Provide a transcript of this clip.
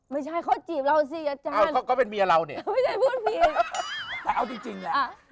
ไม่ใช่เขาจีบเราใช่ไหมอาจารย์